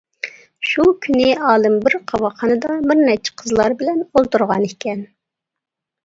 شۇ كۈنى ئالىم بىر قاۋاقخانىدا بىرنەچچە قىزلار بىلەن ئولتۇرغانىكەن.